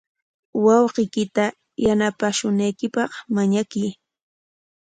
Wawqiykita yanapashunaykipaq mañakuy.